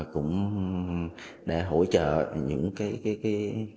cũng để hỗ trợ những cái